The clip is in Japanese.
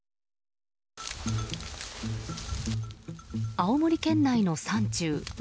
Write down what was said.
青森県内の山中。